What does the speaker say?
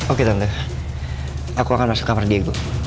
oke tante aku akan masuk kamar diego